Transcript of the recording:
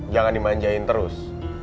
jangan dimanjain terus